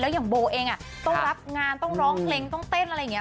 อย่างโบเองต้องรับงานต้องร้องเพลงต้องเต้นอะไรอย่างนี้